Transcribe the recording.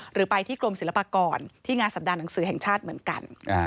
หรือไปที่กรมศิลปากรที่งานสัปดาห์หนังสือแห่งชาติเหมือนกัน